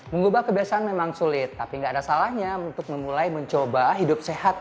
mengubah kebiasaan memang sulit tapi nggak ada salahnya untuk memulai mencoba hidup sehat